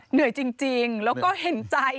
เหนื่อยจริงแล้วก็เห็นใจ